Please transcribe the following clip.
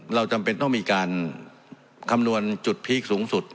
จำเป็นต้องมีการคำนวณจุดพีคสูงสุด